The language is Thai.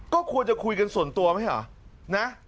ก็ควรจะคุยกันส่วนตัวไหมเหรอนะ